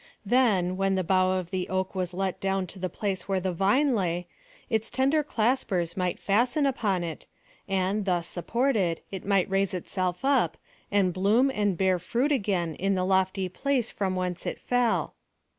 Th<3iL whtn the boiiofh of the oak was let down to the place where the vine lay, its tender claspers might fasten upon it, and, thus supported, it might raise itself up, and bloom and be?^ fruit again in the lofty place from whence it fell.